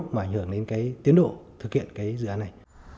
mà ảnh hưởng đến tiến độ thực hiện dự án này